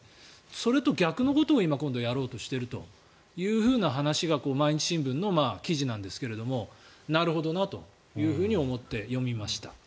それと逆のことを今度はやろうとしているという話が毎日新聞の記事なんですがなるほどなというふうに思って読みました。